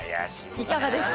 いかがですか？